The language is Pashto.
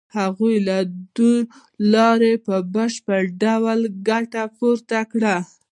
هغوی له دې لارې په بشپړ ډول ګټه پورته کوي